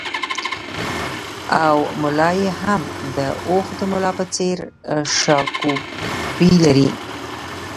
او ملا یې هم د اوښ د ملا په څېر شاکوپي لري